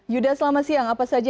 yuda selamat siang apa saja